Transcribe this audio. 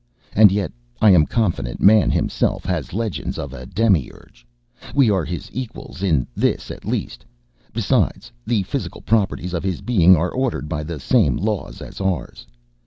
And yet I am confident. Man himself has legends of a Demi urge. We are his equals in this at least. Besides, the physical properties of his being are ordered by the same laws as ours.